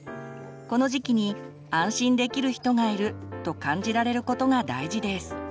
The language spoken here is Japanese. この時期に安心できる人がいると感じられることが大事です。